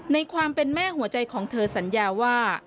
ในความเป็นแม่หัวใจของเธอสัญญาว่า